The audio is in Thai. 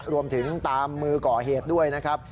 รวมถึงตามมือก่อเหตุด้วยนะครับ